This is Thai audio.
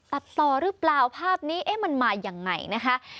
ตัดต่อหรือเปล่าภาพนี้เอ๊ะมันมายังไงนะคะ